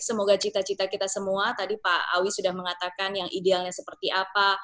semoga cita cita kita semua tadi pak awi sudah mengatakan yang idealnya seperti apa